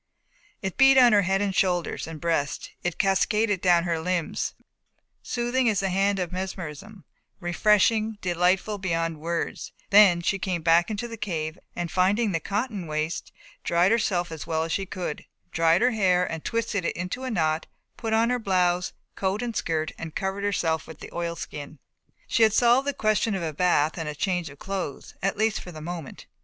It beat on her head and shoulders and breast, it cascaded down her limbs, soothing as the hand of mesmerism, refreshing, delightful beyond words, then she came back into the cave and, finding the cotton waste, dried herself as well as she could, dried her hair and twisted it into a knot, put on her blouse, coat and skirt and covered herself with the oilskin. She had solved the question of a bath and change of clothes, at least for the moment.